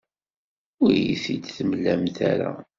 Ur iyi-t-id-temlamt ara.